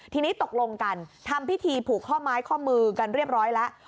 ทีนี้ตกลงกันทำพิธีผูกข้อไม้ข้อมือกันเรียบร้อยแล้ว